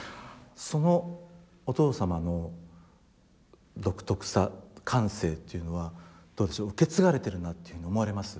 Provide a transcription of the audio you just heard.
そのお父様の独特さ感性っていうのはどうでしょう受け継がれてるなっていうふうに思われます？